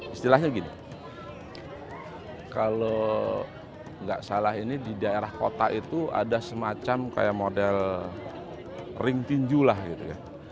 istilahnya gini kalau nggak salah ini di daerah kota itu ada semacam kayak model ring tinju lah gitu ya